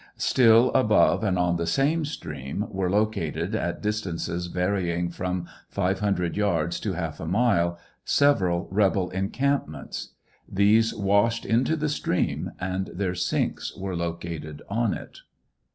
Still above and on the same stream, were located, at distances varying from 500 yards to half a mile, several rebel encampments. These washed into the stream and their sinks were located on it.